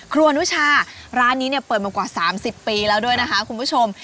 อนุชาร้านนี้เนี่ยเปิดมากว่า๓๐ปีแล้วด้วยนะคะคุณผู้ชม